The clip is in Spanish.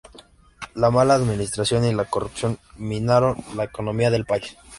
La mala administración y la corrupción minaron la economía del país.